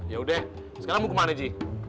yaudah sekarang mau ke mana ji